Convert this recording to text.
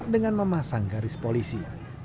dengan memasang garis polisi